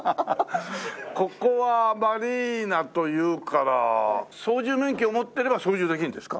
ここはマリーナというから操縦免許を持ってれば操縦できるんですか？